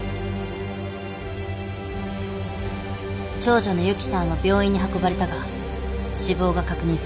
長女の雪さんは病院に運ばれたが死亡が確認された。